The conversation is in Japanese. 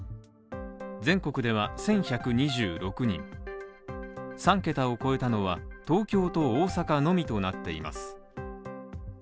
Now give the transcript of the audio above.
全国では１１２６人、３桁を超えたのは、東京と大阪のみとなっています。